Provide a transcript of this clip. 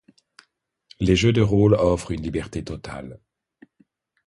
Les jeux de rôle offrent une liberté totale.